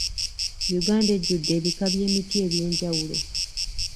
Uganda ejjudde ebika by'emiti eby'enjawulo.